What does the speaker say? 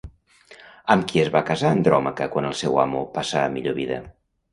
Amb qui es va casar Andròmaca quan el seu amo passà a millor vida?